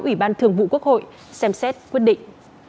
ủy ban thường vụ quốc hội xem xét quyết định